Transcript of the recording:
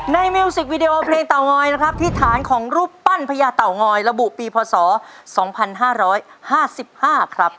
มิวสิกวีดีโอเพลงเตางอยนะครับที่ฐานของรูปปั้นพญาเต่างอยระบุปีพศ๒๕๕๕ครับ